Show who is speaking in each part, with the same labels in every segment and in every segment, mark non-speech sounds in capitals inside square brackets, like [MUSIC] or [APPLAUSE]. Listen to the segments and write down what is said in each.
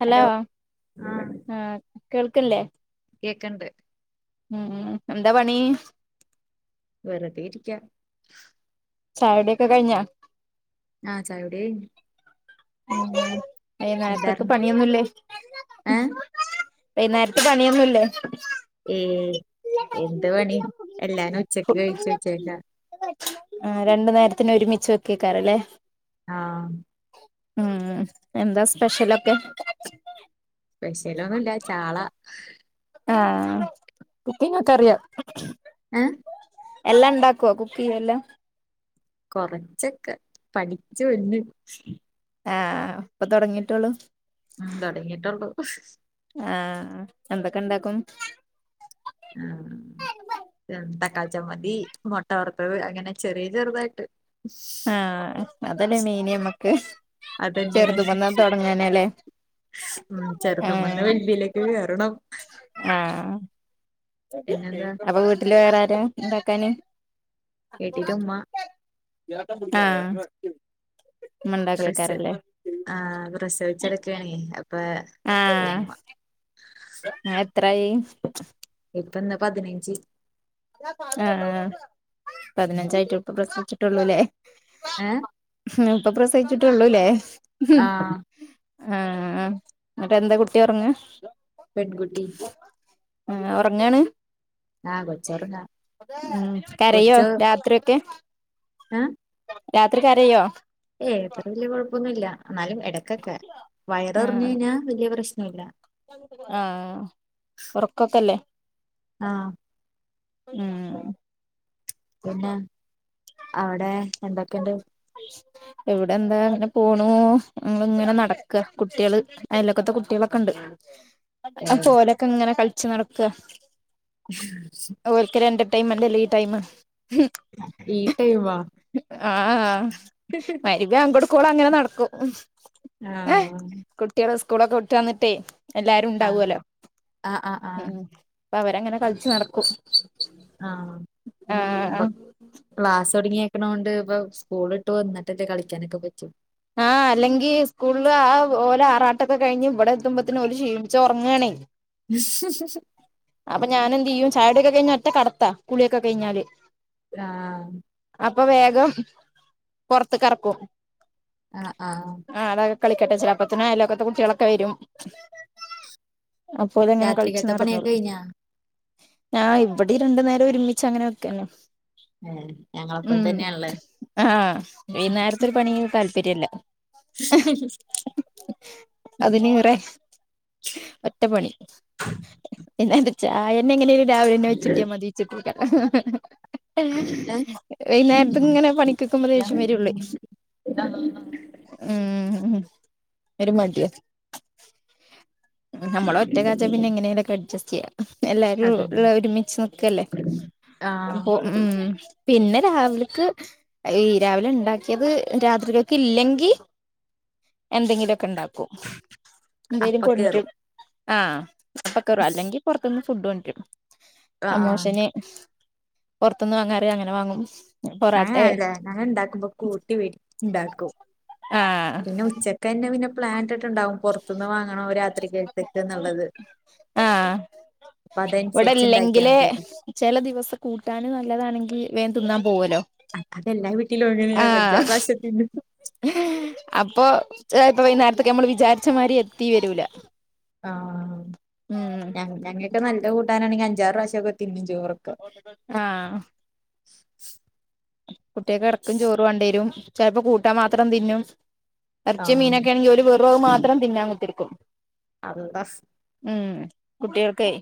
Speaker 1: Hello ആ കേൾക്ക്ണ്ല്ലേ
Speaker 2: കേക്ക്ൺണ്ട്
Speaker 1: ഉം എന്താ പണീ
Speaker 2: വെറുതെ ഇരിക്ക
Speaker 1: ചായുടി ഒക്കെ കഴിഞ്ഞോ
Speaker 2: ആഹ ചായുടി കൈഞ്ഞ്
Speaker 1: ഉ ഈ നേരത്തേക്ക് പണിയൊന്നുംല്ലേ
Speaker 2: ഏഹ്
Speaker 1: വൈന്നേരത്തെ പണിയൊന്നുല്ലേ
Speaker 2: ഏയ് എന്ത് പണി എല്ലാരും ഉച്ചക്ക് കഴിച്ചു വച്ചക്കാ
Speaker 1: ആ രണ്ടു നേരത്തിന് ഒരുമിച്ച് വെക്ക്കാറല്ലേ
Speaker 2: ആഹ
Speaker 1: ഉം എന്താ സ്പെഷ്യലൊക്കെ
Speaker 2: സ്പെഷ്യലൊന്നുല്ല ചാള
Speaker 1: ആഹ കുക്കിങ് ക്കെ അറിയാം
Speaker 2: ആ
Speaker 1: എല്ലാം ഉണ്ടാക്കോ കുക്ക് യ്യ എല്ലാ
Speaker 2: കൊറച്ചൊക്കെ പഠിച്ചു വന്ന്
Speaker 1: ആഹ ഇപ്പൊ തുടങ്ങിട്ടോളൂ
Speaker 2: ഉം തൊടങ്ങിട്ടൊള്ളൂ
Speaker 1: ആഹ എന്തൊക്കെ ഉണ്ടാക്കും
Speaker 2: ആഹ ന്തക്ക ചമ്മതി മുട്ട വറ്ത്തത് അങ്ങനെ ചെറിയ ചെറുതായിട്ട്
Speaker 1: ആഹ അതല്ലേ മൈനി നമ്മക്ക് ചെറുത് വന്നാ തുടങ്ങാനല്ലേ
Speaker 2: ഉ ചെറുതുമ്മന്ന്
Speaker 1: ആഹ്
Speaker 2: വെല്ല്യമ്മലേക്ക് കേയറണം
Speaker 1: ആഹ് അപ്പൊ വീട്ടില് വേറാരാ എണ്ടാക്കാന്
Speaker 2: കേട്ടിട്ടുംമ്മ
Speaker 1: ആഹ
Speaker 2: പ്ര ആഹ പ്രസ്വച്ച്ടുക്കണേ അപ്പൊ
Speaker 1: ആഹ എത്രായി
Speaker 2: ഇപ്പൊന്ന പതിനഞ്ച്
Speaker 1: ആഹ പതിനഞ്ചായിട്ട് ഇപ്പ പ്രശ്നിച്ചിട്ടുള്ളൂല്ലേ
Speaker 2: ഏ
Speaker 1: ഇപ്പ പ്രസ വച്ചിട്ടള്ളൂല്ലേ
Speaker 2: ആഹ്
Speaker 1: ആഹ എന്നിട്ട് എന്താ കുട്ടി ഉറങ്ങ
Speaker 2: പെൺകുട്ടി
Speaker 1: ആ ഉറങ്ങാണ്
Speaker 2: ആഹ് കൊച്ചൊറങ്ങാ
Speaker 1: കരയ്യോ രാത്രി ഒക്കെ
Speaker 2: ആഹ
Speaker 1: രാത്രിക്കരയ്യോ
Speaker 2: ഏ എത്ര വല്യ കുഴപ്പൊന്നുമല്ല എന്നാലും ഇടക്കൊക്കെ വയറി എറിഞ്ഞു കഴിഞ്ഞാൽ വലിയ പ്രശ്നം
Speaker 1: ആഹ ഉറക്കൊക്കല്ലേ
Speaker 2: ആഹ്
Speaker 1: ഉം
Speaker 2: പിന്നെ അവിടെ എന്തൊക്കെയണ്ട്
Speaker 1: എവിടെ എന്താ അങ്ങനെ പോണു ഇങ്ങനെ നടക്കുക കുട്ടികള് അതിലക്കത്തെ കുട്ടികളൊക്കെ ഉണ്ട്
Speaker 2: ഏഹ്
Speaker 1: അപ്പോരൊക്കെ ഇങ്ങനെ കളിച്ചു നടക്ക
Speaker 2: ഹ് ഹ്
Speaker 1: ടൈംന്തല്ല ഈ ടൈം
Speaker 2: ഈ ടൈം വ
Speaker 1: ആഹ മവ്രിബാകൊടുക്കൂളും അങ്ങനെ നടക്കും
Speaker 2: ആഹ
Speaker 1: കുട്ടികള് സ്കൂളൊക്കെ വിട്ട് വന്നിട്ടേ എല്ലാരും
Speaker 2: ആഹ്
Speaker 1: ഉണ്ടാവല്ലോ
Speaker 2: ആഹ് ആഹ്
Speaker 1: ഉ
Speaker 2: ആഹ്
Speaker 1: അപ്പ അവരങ്ങനെ കളിച്ച് നടക്കും
Speaker 2: ആഹ
Speaker 1: ആഹ്
Speaker 2: ക്ലാസ് ഒടങ്ങക്കണണ്ട് ഇ സ്കൂളിട്ട് വന്നിട്ടല്ലേ കളിക്കാനൊക്കെ പറ്റും
Speaker 1: ആഹ് അല്ലെങ്കി സ്കൂളില് ആ ഓലെ ആറാട്ടൊക്കെ കഴിഞ്ഞ് ഇവിടെ എത്തുമ്പോത്തന് ഒരു ക്ഷീണിച്ച ഉറങ്ങണേ
Speaker 2: നി
Speaker 1: അപ്പൊ ഞാനൻ എന്ത് ചെയ്യും ചായകുടി കഴിഞ്ഞാ ഒറ്റകടത്താ കുളിയൊക്കെ കഴിഞ്ഞാല്
Speaker 2: ആഹ
Speaker 1: അപ്പൊ വേഗം പൊറത്ത്ക്ക് ഇറക്കും
Speaker 2: ആഹ ആ്
Speaker 1: കളിക്കട്ടെ ചിലപ്പത്തിന അലോക്കത്തെ കുട്ടികളൊക്കെ വരും അപ്പോ ഓല്ങ്ങനെ കളിച്ചു
Speaker 2: രാത്രിക്കത്തെ പണിയൊക്കെ
Speaker 1: നടന്നളും
Speaker 2: കഴിഞ്ഞാ
Speaker 1: ഞാ ഇവിടെ രണ്ടു നേരം ഒരുമിിച്ച അങ്ങനെ വെക്കന്നെ
Speaker 2: ആ ഞങ്ങളപോലെതന്നെയാണലെ
Speaker 1: ആഹ ഈ നേരത്തെ ഒരു പണി താല്പര്യംല്ല
Speaker 2: [UNINTELLIGIBLE]
Speaker 1: അതിന് കുറെ ഒറ്റപ്പണി എന്നന്താാാ ചായന്നെ എങ്ങനെും രാവിലെ ന്നെ വെച്ചിട്ടിയ മതി വച്ചിട്ടിരിക്ക
Speaker 2: ഏഹ്
Speaker 1: വൈകുന്നേരത്ത ഇങ്ങനെ പണിക്കൊക്കുമ്പോ ദേഷം വരള്ളേ
Speaker 2: ആ
Speaker 1: ഉം വരുമാടിയ നമ്മള ഒറ്റ കാചാ പിന്നെ എങ്ങനെങ്കലൊക്കെ അഡ്സ്റ്റ് ചെയ്യാം എല്ലാരും ഉള്ള
Speaker 2: അതന്നെ
Speaker 1: ഒരുമിച്ച് നക്കല്ലേ
Speaker 2: ആഹ്
Speaker 1: അപ്പൊ ഉം പിന്നെ രാവിലക്ക് ഈ രാവിലെ ഉണ്ടാക്കിയത് രാത്രിരിക്കൊക്കെ ഇല്ലെങ്കിൽ എന്തെങ്കിലുമൊക്കെ ഉണ്ടാക്കും എന്തേലും
Speaker 2: അപ്പ
Speaker 1: കൊണ്ടട്ട്
Speaker 2: കേറും
Speaker 1: ആ് അപ്പക്കറോ അല്ലെങ്കിൽ ഫുഡ് പുറത്തുനിന്ന് കൊണ്ടരും
Speaker 2: ആഹ് ആഹ്
Speaker 1: അമോശന് പുൊറത്തന്ന് വാങ്ങാറിയ അങ്ങനെ വാങ്ങും പൊറാട്ടെ
Speaker 2: ഞങ്ങല്ല ഞങ്ങ ഇണ്ടാക്കുമ്പോ കൂട്ടി വ ഇണ്ടാക്കും
Speaker 1: ആഹ്
Speaker 2: പിന്നെ ഉച്ചക്കന്നെ പിന്നെ പ്ലാന് ണ്ടാാവും പുറത്തുന്ന് വാങ്ങണോ രാത്രികൽത്ത്ക്ക് ന്നുള്ളത്
Speaker 1: ആഹ
Speaker 2: ഇണ്ടാക്കിയാ
Speaker 1: ഇവിടെല്ലെങ്കിലില്
Speaker 2: മതിയല്ലോ
Speaker 1: ചില ദിവസം കൂട്ടാന് നല്ലതാണെങ്കിൽ വേൻ തിന്നാ പോുവുല്ലോ
Speaker 2: അതത എല്ലാ വീട്ടിലും എങ്ങനെയ അഞ്ചാറ് പ്രാവശ്യത്തിന്
Speaker 1: അപ്പൊ വഴിനേേരത്തൊക്ക് നമ്മൾ വിചാരിച്ച മാതിരി എത്തി വരൂല
Speaker 2: ആ...
Speaker 1: ഉം
Speaker 2: ആഹഞ ഞങ്ങൾക്ക് നല്ല കൂട്ടാനാണെങ്കിൽ അഞ്ചാറ് പ്രാവശ്യൊക്കെ തിന്നും ചോറൊക്കെ
Speaker 1: ആഹ കുട്ടിയ്ക് ഇടക്കും ചോറ് വണ്ടിവരും ചിലപ്പോ കൂട്ടാൻ മാത്രം തിന്നും ഇറച്ച
Speaker 2: ആഹ്
Speaker 1: മീനൊക്കെണെങ്കിൽ ഒരു വെറുവ് മാത്രം തിങ്ങാ കുത്തിരിക്കും
Speaker 2: അന്താ
Speaker 1: ഉം കുട്ടികൾക്കയി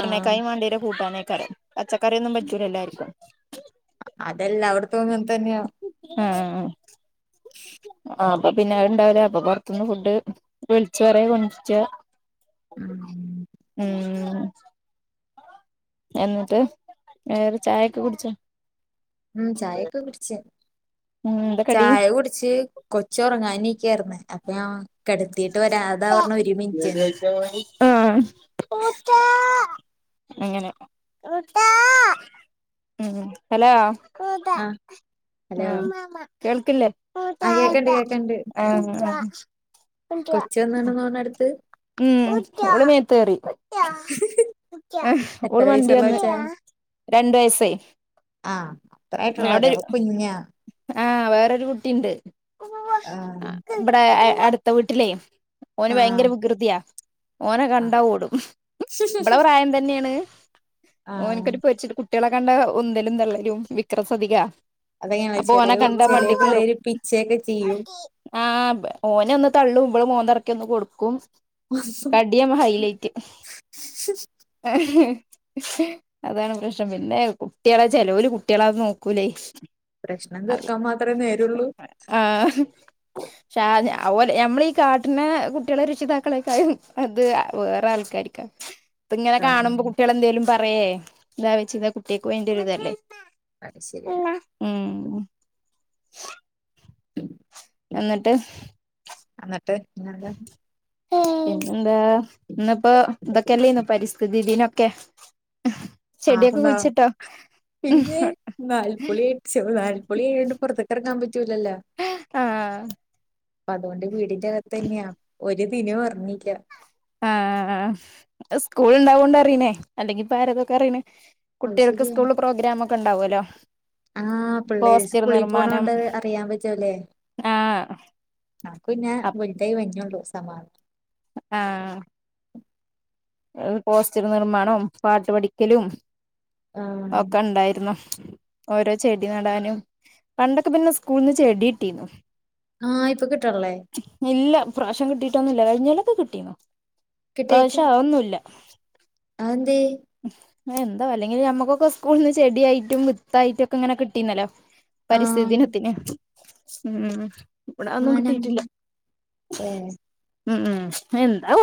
Speaker 2: ആഹ്
Speaker 1: വണ്ടിയരെ കൂട്ടാനേകാരം പച്ചക്കറിയൊന്നും പറ്റൂല എല്ലാർക്കും
Speaker 2: അതെല്ലവിടെതും അങ്ങനെതന്നെയാ
Speaker 1: ആഹ അപ്പ പിന്നെ അത്ണ്ടാവില്ല അപ്പൊ പുറത്തുന്ന് ഫുഡ് വിളിച്ച് പറയ കൊണ്ടിറിച്ചാ
Speaker 2: ഉം
Speaker 1: ഉം എന്നിട്ട് വേറെ ചായയൊക്കെ കുടിച്ച
Speaker 2: ഉം ചായയൊക്കെ കുടച്ച്
Speaker 1: ഉം എന്താ കടി
Speaker 2: ചായ കുടിച്ച് കൊച്ച് ഉറങ്ങൻ ന്ന അപ്പഞാൻ കിടത്തിീട്ട് വരാപറഞ്ഞ അതാപറഞ്ഞ ഒരുമിനിിറ്റന്ന്
Speaker 1: ആഹ [UNINTELLIGIBLE] അങ്ങനെ ഉ ഹലോ [UNINTELLIGIBLE]
Speaker 2: ആഹ് ഹലോ
Speaker 1: [UNINTELLIGIBLE] കേൾക്കില്ലേ ട്ട
Speaker 2: ആ
Speaker 1: ആട്ട
Speaker 2: കേക്കണ്ട്
Speaker 1: [UNINTELLIGIBLE]
Speaker 2: കൊച്ചി വന്നാണ് തോണ അടുത്ത്
Speaker 1: ഉം ഓൾമേത്തറി ഓള്
Speaker 2: എത്ര
Speaker 1: മണ്ടി
Speaker 2: വയസുള്ള
Speaker 1: വന്ന്
Speaker 2: കൊച്ചാ
Speaker 1: രണ്ട് വയസായി
Speaker 2: അത്രായിട്ടുള്ളവര കുഞ്ഞ
Speaker 1: ആഹ വേറൊരു കുട്ടിയണ്ട്
Speaker 2: ആഹ്
Speaker 1: ഇവിടെ അടുത്ത വീട്ടിലേ ഓന് ഭയങ്കര
Speaker 2: ആഹ്
Speaker 1: വികൃതിയാ ഓനെ
Speaker 2: ആഹ്
Speaker 1: കണ്ടാ ഓടും ഇവളുടെ പ്രായം തന്നെയാണ്
Speaker 2: ആഹ്
Speaker 1: ഒന്നക്കൊരു പരിച്ച കുട്ടികളെ കണ്ട ഒന്തലും തള്ളും വിക്ര സതിക
Speaker 2: അതങ്ങനെയ
Speaker 1: അപ്പൊ
Speaker 2: ചെറിയ
Speaker 1: ഓനെ കണ്ട
Speaker 2: ചെല
Speaker 1: വണ്ടിക്കൂറും
Speaker 2: പിള്ളേര് പിച്ചയൊക്കെ ചെയ്യും
Speaker 1: ആ ഓന ഒന്ന് തള്ള വിളും വന്ന ഒ കൊടുക്കും കടിയ ഹൈലൈറ്റ് അതാണ് പ്രശ്നം പിന്നെ കുട്ടികളെ ചെിലവൽ കുട്ടികളന്ന് നോക്കൂലേ
Speaker 2: പ്രശ്നം
Speaker 1: അത്
Speaker 2: തീർക്കാൻ മാത്രമേ നേരള്ളൂ.
Speaker 1: [INAUDIBLE] ക്ഷ നമ്മളീ ഈ കാട്ടിന്ന കുട്ടികളെ രക്ഷിതാക്കളേക്കായും അത് വേറെ ആൾക്കാർരിക്കാണ് ഇപ്പൊ ഇങ്ങനെ കാണുമ്പോ
Speaker 2: ആഹ്
Speaker 1: കുട്ടികൾ എന്തേലും പറയേ എതാ വെച്ചത കുട്ടികക്ക് വേണ്ടിയ ഇതല്ലേ
Speaker 2: അത് ശരിയ ഉ
Speaker 1: എന്നിട്ട്
Speaker 2: [UNINTELLIGIBLE]
Speaker 1: എന്താ ഇന്നപ്പൊ ഇതൊക്കെല്ലന്ന പരിസ്ഥിതി ദീനൊക്കെ ചെടിയൊക്കെ
Speaker 2: ആറന്താ
Speaker 1: കുഴിച്ചിട്ടോ
Speaker 2: പിന്നെ നാൽപ്പൊളി അടിച്ചു നാൽപ്പൊളി എഴണ്ട് പുറത്തക്കറക്കാൻ പറ്റു പറ്റുലല്ല
Speaker 1: ആഹ്
Speaker 2: അപ്പ അതുകൊണ്ട് വീടിന്റെ അകത്ത് തന്നെയാ ഒരു ദിനം ഒർണില്ല
Speaker 1: ആ സ്കൂള ഇണ്ടാവൊണ്ട് അറിയനേ അല്ലെങ്കിപ്പ ആരെതൊക്കെ അറിയനേ
Speaker 2: അത്
Speaker 1: കുട്ടികൾക്ക് സ്കൂള് പ്രോഗ്രാാം ഒക്കെ ഉണ്ടാവല്ലോ
Speaker 2: ആഹ പിള്ളേ പുളി പോണോണ്ട് അറിയാൻ പറ്റൂല്ലേ
Speaker 1: ആഹ്
Speaker 2: നക്ക് ന്ന വെലിട്ടായി വഞ്ഞള്ളൂ സമാനം
Speaker 1: ആഹ പോസ്റ്റർ നിർമമാണംവും പാട്ട് പഠിക്കലും
Speaker 2: ആഹ്
Speaker 1: ഒക്കെ ഉണ്ടായിരുന്നു ഓരോ ചെടി നടാനും പണ്ടൊക്കെ പിന്നെ സ്കൂളന്ന് ചെടി കിട്ടീന്നു
Speaker 2: ആഹ ഇപ്പൊ കിട്ടള്ളേ
Speaker 1: പ്രാവശ്യം കിട്ടീട്ടൊ ഒന്നുമില്ല കഴിഞ്ഞാലക്കെ കിട്ടീന്നു പ്രാവശ്യ ഒന്നുമല്ല
Speaker 2: അന്തേ
Speaker 1: എന്താ അല്ലെങ്കിൽ നമ്മക്കൊക്കെ സ്കൂള നിന്ന് ചെടിയായിട്ടും വിത്തായിട്ടുംക്കെ ഇങ്ങനെ കിട്ടീുന്നല്ലോ പരിസ്ഥിതി
Speaker 2: ആഹ്
Speaker 1: ദിനത്തനെ ഉം ഇവിടെ അതൊന്നും കിട്ടിയിട്ടില്ല
Speaker 2: [UNINTELLIGIBLE]
Speaker 1: ഉം ഉ എന്താ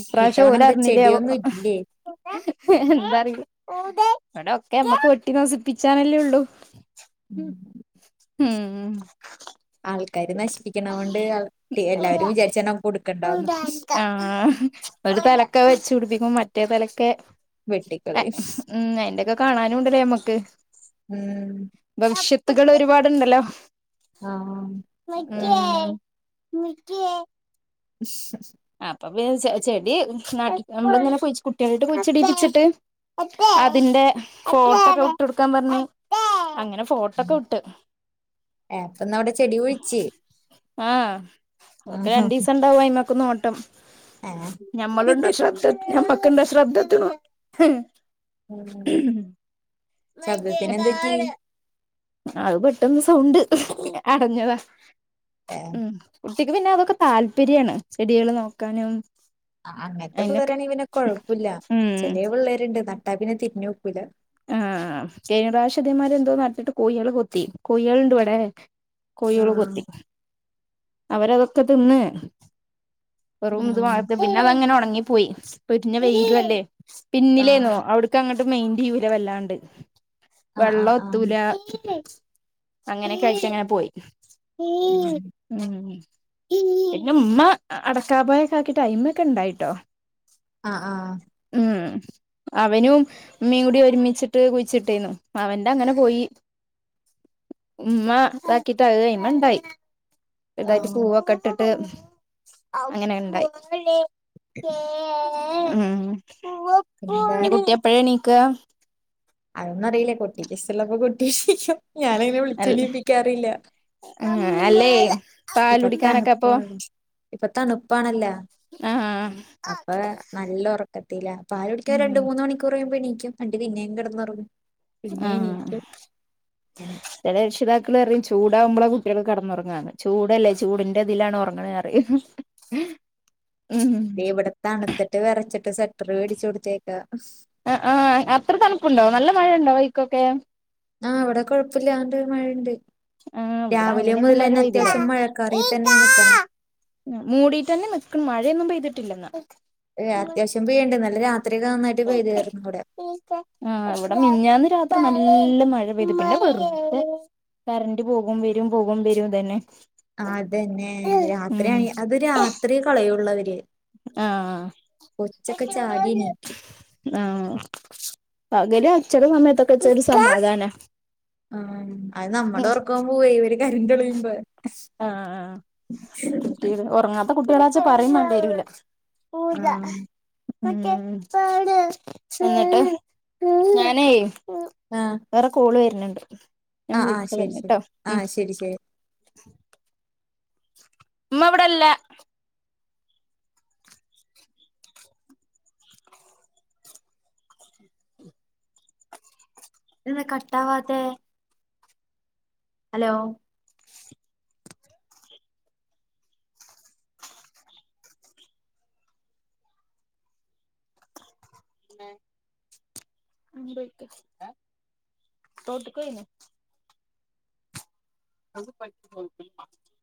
Speaker 1: ഇപ്രാവശ്യ
Speaker 2: ഇത്തവണ
Speaker 1: പോല
Speaker 2: എന്താ
Speaker 1: അറിഞ്ഞില്ലേവോ
Speaker 2: ചെടിയൊന്നും ഇല്ലേ
Speaker 1: എന്താറ ഇവിടൊക്കെ നമ്മക്ക് വട്ടി നസിപ്പിച്ചാനല്ലേ ഉള്ളു
Speaker 2: ഉം
Speaker 1: ഹം
Speaker 2: ആൾക്കാരാര് നശിപ്പിക്കണ കൊണ്ട് എല്ലാവരും വിചാരിച്ചാ നമക്ക് കൊടുക്കണ്ടാവന്ന്
Speaker 1: ആഹ് ഒരു തലക്കെ വെച്ചു പിടിപ്പിക്കും മറ്റേ തലക്കെ
Speaker 2: വെട്ടിക്കളയും
Speaker 1: ഉ അയിന്റെൊക്കെ കാണാനുണ്ടല്ലേ നമ്മക്ക്
Speaker 2: ഉം
Speaker 1: കുത്തുകൾ ഒരുപാടുണ്ടല്ലോ
Speaker 2: ആഹ
Speaker 1: [UNINTELLIGIBLE]
Speaker 2: [UNINTELLIGIBLE]
Speaker 1: അപ്പൊെ ചെടി നട്ട നമ്മളന്നെ കുട്ടികളായിട്ട് കുഴിച്ചിടീപി ച്ചിട്ട് അതിന്റെ ഫോട്ടോ ഒക്കെ വിട്ട് കൊടുക്കാൻ പറഞ്ഞു അങ്ങനെ ഫോട്ടോക്കെ വിട്ട്
Speaker 2: ഏഹ് അപ്പൊന്നവിടെ ചെടി കുഴിച്ച്
Speaker 1: ആഹ് അതൊക്കെ രണ്ടു ദിവസം ഉണ്ടാവും ആയിമ്മേക്ക് നോട്ടം
Speaker 2: ആഹ്
Speaker 1: ഞമ്മളുണ്ടോ ശ്രദ്ധ ഞമ്മക്കുണ്ടോ ശ്രദ്ധത്ത് നോക്കാൻ
Speaker 2: ഉം ശബ്ദത്തിന് എന്ത് പറ്റി
Speaker 1: [INAUDIBLE] അത് പെട്ടെന്ന് സൗണ്ട് അടഞ്ഞതാ
Speaker 2: ഏഹ്
Speaker 1: ഉം ചേച്ചിക്ക് പിന്നെ അതൊക്കെ താല്പര്യമാണ് ചെടികള് നോക്കാനും
Speaker 2: ആഹ് അങ്ങനത്തെ
Speaker 1: അയിനൊക്കെ
Speaker 2: പിള്ളേരാണെ പിന്നെ കൊഴപ്പമില്ല
Speaker 1: ഉം
Speaker 2: ചെലേ പിള്ളേരുണ്ട് നട്ടാ പിന്നെ തിരിഞ്ഞു നോക്കൂല
Speaker 1: ആഹ് കഴിഞ്ഞ പ്രാവശ്യം ഇതേ മാതിരി എന്തോ നട്ടിട്ട് കോയികള് കൊത്തി കോയികളുണ്ട് ഇവിടെ കോഴികള്
Speaker 2: ആഹ്
Speaker 1: കൊത്തി അവരതൊക്കെ തിന്ന് കൊറും ഇത് മാത്ത് പിന്നെ അതങ്ങനെ ഉണങ്ങിപ്പോയി പൊരിഞ്ഞ വെയിലുവല്ലേ പിന്നിലേന്നോ
Speaker 2: ആഹ്
Speaker 1: അവിടക്ക് അങ്ങോട്ട് മെയിന്റെ ചെയ്യൂല വല്ലാണ്ട്
Speaker 2: ആഹ് ആഹ്
Speaker 1: വെള്ളം
Speaker 2: ആഹ് ആഹ്
Speaker 1: ഒത്തൂല അങ്ങനെയൊക്കെ അഴിച്ച് അങ്ങനെ പോയി
Speaker 2: ഉം
Speaker 1: ഉം പിന്നുമ്മാ അടക്കാ പോയക്കെ ആക്കിട്ട് അയിമ്മേ ഒക്കെ ഉണ്ടായിട്ടോ
Speaker 2: ആഹ് ആഹ്
Speaker 1: അവനും മീൻകൂടി ഒരു ഒരുമിച്ചിട്ട് കുഴിച്ചിട്ടേനു അവന്റെ അങ്ങനെ പോയി ഉമ്മ ഇത് ആക്കിട്ട് അയ്മേ ണ്ടായി വലുതായിട്ട്
Speaker 2: ആഹ്
Speaker 1: പൂവൊക്കെ ഇട്ടിട്ട് അങ്ങനെ ഇണ്ടായി ഉം
Speaker 2: പിന്നെന്താ
Speaker 1: ഇനി കുട്ടിയെപ്പഴാ എണീക്കാ
Speaker 2: അതൊന്നും അറിയില്ല കുട്ടിക്ക് ഇസ്ടമുള്ളപ്പോ കുട്ടി ഞാനങ്ങനെ വിളിച്ചെണീപ്പിക്കാറില്ല
Speaker 1: ആ അല്ലേ പാല് കുടിക്കാനൊക്കെ അപ്പൊ
Speaker 2: ഇപ്പം തണുപ്പാണല്ലോ
Speaker 1: ആഹ്
Speaker 2: അപ്പൊ നല്ല ഉറക്കത്തിലാ പാല് കുടിക്കാൻ
Speaker 1: ഉം
Speaker 2: രണ്ട് മൂന്ന് മണിക്കൂറ് കഴിയുമ്പം എണീക്കും എന്നിട്ട് പിന്നേയും കിടന്നുറങ്ങും പിന്നെ
Speaker 1: ആ
Speaker 2: എണീക്കും അങ്ങനെ
Speaker 1: ചില രക്ഷിതാക്കൾ പറയും ചൂടാവുമ്പളാ കുട്ടികളൊക്കെ കിടന്നുറങ്ങാന്ന് ചൂടല്ലേ ചൂടിന്റെ ഇതിലാണ് ഉറങ്ങണേന്ന് പറയും ഉം
Speaker 2: ഇവിടെ തണുത്തിട്ട് വിറച്ചിട്ട് സ്വെറ്ററ് മേടിച്ചു കൊടുത്തേക്കാ
Speaker 1: ആ ആ അത്ര തണുപ്പുണ്ടോ നല്ല മഴ ഉണ്ടോ വൈക്കൊക്കെ
Speaker 2: ആ ഇവിടെ കുഴപ്പല്ലാണ്ട് മഴയുണ്ട്
Speaker 1: ആ ഇവിടെ
Speaker 2: രാവിലെ
Speaker 1: അങ്ങനെയൊന്നും
Speaker 2: മുതൽ
Speaker 1: മഴ
Speaker 2: തന്നെ
Speaker 1: പെയ്തില്ല
Speaker 2: അത്യാവശ്യം മഴക്കാറി തന്നെയാ നിക്കണെ
Speaker 1: ഉം മൂടിയിട്ട് തന്നെ നിൽക്കും മഴയൊന്നും പെയ്തിട്ടില്ലിന്ന്
Speaker 2: ഏ അത്യാവശ്യം പെയ്യുണ്ട് ഇന്നലെ രാത്രിയൊക്കെ നന്നായിട്ട് പെയ്തീർന്നു ഇവിടെ
Speaker 1: ആ ഇവിടെ മിനിഞ്ഞാന്ന് രാത്രി നല്ല നല്ല മഴ പെയ്തിട്ട് [UNINTELLIGIBLE] കറന്റ് പോകും വരും പോകും വരും ഇതന്നെ
Speaker 2: അതന്നെ രാത്രി
Speaker 1: ഉം
Speaker 2: ആണെ അത് രാത്രിയെ കളയുള്ളവര്
Speaker 1: ആ
Speaker 2: കൊച്ചൊക്കെ ചാടി എണീക്കും
Speaker 1: ആ പകല് ചെല സമയത്തൊക്കെ വച്ചാ ഒരു സമാധാനാ
Speaker 2: ആ അത് നമ്മുടെ ഉറക്കോം പോവേ ഇവര് കറന്റ്‌ കളയുമ്പം
Speaker 1: ആ ആ കുട്ടി ഉറങ്ങാത്ത കുട്ടികളാച്ചാ പറയുംവേണ്ടി വരൂല [INAUDIBLE]
Speaker 2: ആഹ്
Speaker 1: എന്നിട്ട് ഞാനെ
Speaker 2: ആഹ്
Speaker 1: വേറെ കോള് വരുന്നുണ്ട് ഞാൻ
Speaker 2: ആഹ് ആഹ് ശരി
Speaker 1: വിളിക്കലുണ്ട് ട്ടോ
Speaker 2: ശരി
Speaker 1: ഉം
Speaker 2: ആഹ് ശരി ശരി
Speaker 1: ഉമ്മവിടെല്ല
Speaker 2: എന്താ കട്ടാവാത്തെ ഹലോ
Speaker 1: ഉം [UNINTELLIGIBLE] അത് [UNINTELLIGIBLE]